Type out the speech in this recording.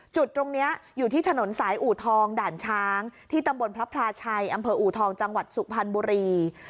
จุดตรงนี้อยู่ที่ถนนสายอูทองด่านช้างที่ตำบลพระพลาชัยอำเภออูทองจังหวัดสุพรรณบุรี